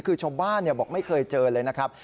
คือชาวบ้านบอกไม่เคยเจอเลยนะครับ